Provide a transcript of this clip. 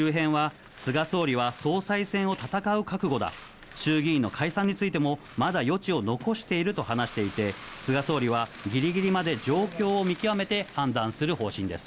ただ、総理周辺は、菅総理は総裁選を戦う覚悟だ、衆議院の解散についてもまだ余地を残していると話していて、菅総理はぎりぎりまで状況を見極めて判断する方針です。